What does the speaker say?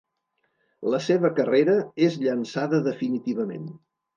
La seva carrera és llançada definitivament.